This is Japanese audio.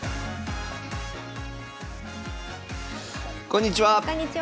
こんにちは。